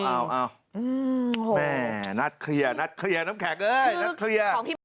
เอาแม่นัดเคลียร์นัดเคลียร์น้ำแข็งเอ้ยนัดเคลียร์